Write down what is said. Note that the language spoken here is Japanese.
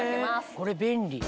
これ便利。